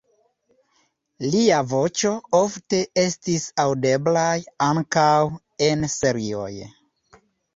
Lia voĉo ofte estis aŭdeblaj ankaŭ en serioj.